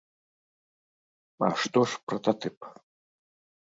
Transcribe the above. А што ж прататып?